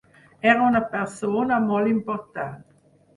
Era una persona molt important.